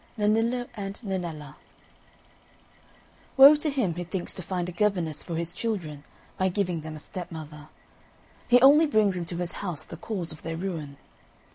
XXX NENNILLO AND NENNELLA Woe to him who thinks to find a governess for his children by giving them a stepmother! He only brings into his house the cause of their ruin.